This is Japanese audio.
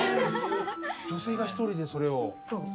女性が１人でそれを背負う。